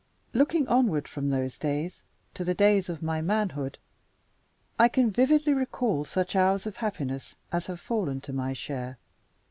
Looking onward, from those days to the days of my manhood, I can vividly recall such hours of happiness as have fallen to my share.